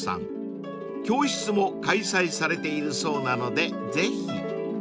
［教室も開催されているそうなのでぜひ］